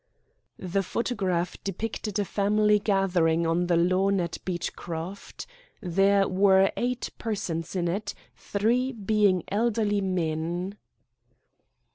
The photograph depicted a family gathering on the lawn at Beechcroft. There were eight persons in it, three being elderly men.